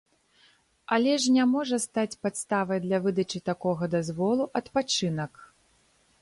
Але ж не можа стаць падставай для выдачы такога дазволу адпачынак.